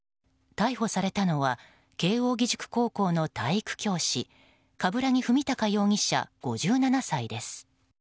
逮捕されたのは慶應義塾高校の体育教師鏑木文隆容疑者、５７歳です。